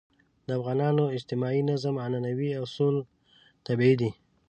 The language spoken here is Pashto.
د افغانانو اجتماعي نظم عنعنوي اصول طبیعي دي.